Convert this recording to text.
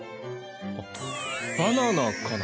あっバナナかな。